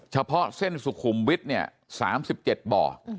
เฉพาะเส้นสุขุมวิทย์เนี่ย๓๗บ่อ